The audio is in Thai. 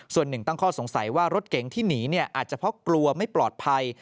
ส่วนหนึ่งตั้งข้อสงสัยว่ารถเก๋งที่หนีอาจจะเพราะกลัวไม่ปลอดภัย